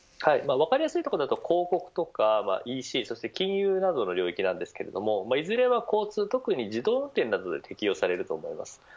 分かりやすいところだと広告とかＥＣ、そして金融などの領域なんですけどもいずれは交通、特に自動運転などで適用されると思います。